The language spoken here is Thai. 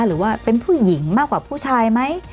หรือว่าเป็นผู้หญิงมากกว่าผู้ชายไหม